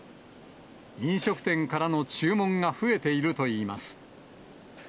飲食店からの注文が増えているといいます。